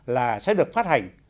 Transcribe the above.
là sẽ được phát hành